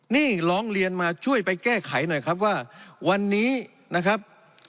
นี่ร้องเรียนมาช่วยไปแก้ไขหน่อยครับว่าวันนี้นะครับ